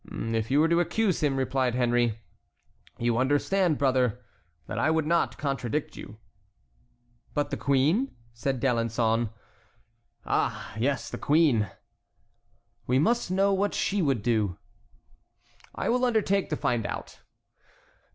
"If you were to accuse him," replied Henry, "you understand, brother, that I would not contradict you." "But the queen?" said D'Alençon. "Ah, yes, the queen." "We must know what she would do." "I will undertake to find out."